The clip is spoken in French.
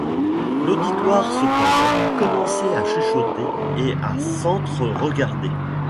L’auditoire cependant commençait à chuchoter et à s’entre-regarder.